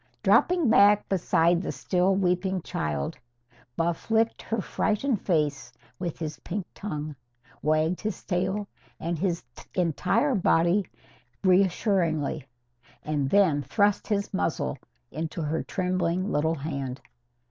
Dropping back beside the still weeping child, Buff licked her frightened face with his pink tongue, wagged his tail and his entire body reassuringly, and then thrust his muzzle into her trembling little hand.